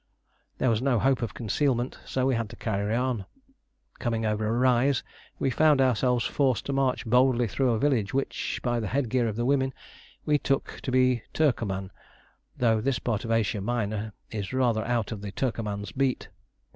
There was no hope of concealment, so we had to carry on. Coming over a rise, we found ourselves forced to march boldly through a village which, by the headgear of the women, we took to be Turcoman, though this part of Asia Minor is rather out of the Turcoman's beat.